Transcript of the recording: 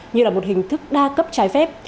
như là một hình thức đa cấp trái phép